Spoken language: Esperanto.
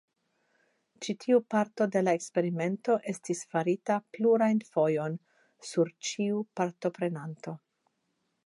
Ĉi tiu parto de la eksperimento estis farita plurajn fojojn sur ĉiu partoprenanto.